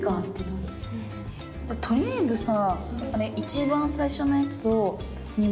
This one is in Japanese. とりあえずさ